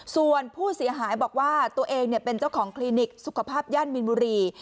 ส่วนผู้เสียหายบอกว่าตัวเองเป็นเจ้าของคลินิกสุขภาพย่านมินบุรี